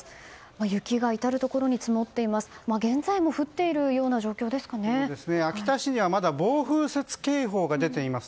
雪が至るところに積もっています。